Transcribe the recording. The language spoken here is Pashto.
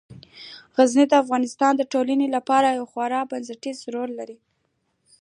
غزني د افغانستان د ټولنې لپاره یو خورا بنسټيز رول لري.